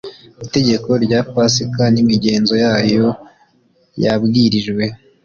itegeko rya pasika n imigenzo yayo yabwirijwe